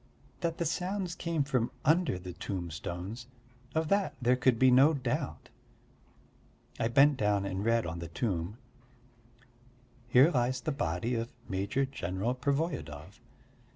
That the sounds came from under the tombstones of that there could be no doubt. I bent down and read on the tomb: "Here lies the body of Major General Pervoyedov